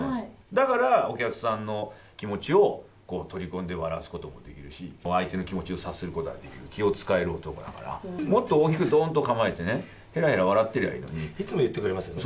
だから、お客さんの気持ちを取り込んで笑わすこともできるし、相手の気持ちを察することができる、気をつかえる男だから、もっと大きくどーんと構えてね、いつも言ってくれますよね。